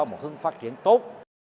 có một hướng phát triển tốt